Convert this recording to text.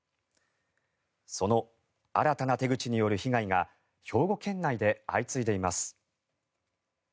その新たな手口による被害が兵庫県内で相次いでいます。